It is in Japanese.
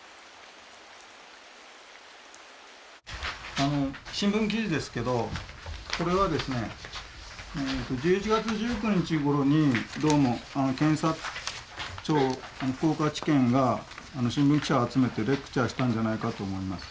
あの新聞記事ですけどこれはですね１１月１９日ごろにどうも検察庁福岡地検が新聞記者を集めてレクチャーしたんじゃないかと思います。